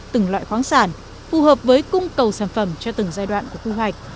từng loại khoáng sản phù hợp với cung cầu sản phẩm cho từng giai đoạn của quy hoạch